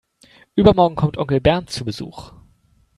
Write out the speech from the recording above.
Übermorgen kommt Onkel Bernd zu Besuch.